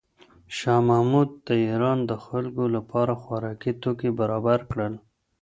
شاه محمود د ایران د خلکو لپاره خوراکي توکي برابر کړل.